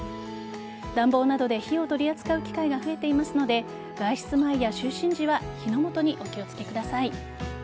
暖房などで火を取り扱う機会が増えていますので外出前や就寝時は火の元にお気をつけください。